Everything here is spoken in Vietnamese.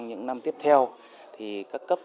những năm tiếp theo thì các cấp